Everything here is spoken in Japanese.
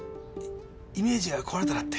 イメージが壊れたらって。